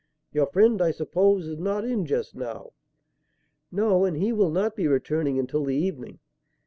"Your friend, I suppose, is not in just now?" "No; and he will not be returning until the evening."